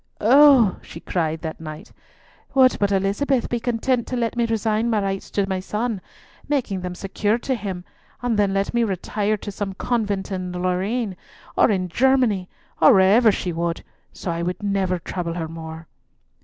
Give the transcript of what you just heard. "Oh," she cried that night, "would but Elizabeth be content to let me resign my rights to my son, making them secure to him, and then let me retire to some convent in Lorraine, or in Germany, or wherever she would, so would I never trouble her more!"